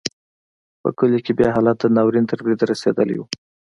په کلیو کې بیا حالت د ناورین تر بریده رسېدلی و.